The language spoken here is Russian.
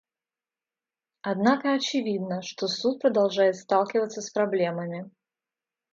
Однако очевидно, что Суд продолжает сталкиваться с проблемами.